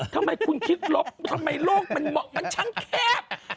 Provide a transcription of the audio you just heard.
ทำไมคุณคิดลบทำไมโลกเป็นมันชั้นแคบ